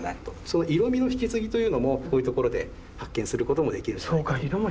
その色みの引き継ぎというのもこういうところで発見することもできるんじゃないかと思います。